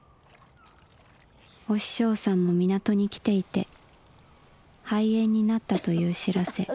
「お師匠さんも港に来ていて肺炎になったという知らせ」。